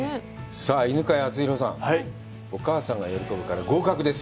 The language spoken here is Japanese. さあ、犬飼貴丈さん、お母さんが喜ぶから合格です。